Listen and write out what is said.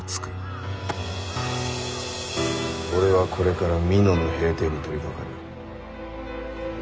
俺はこれから美濃の平定に取りかかる。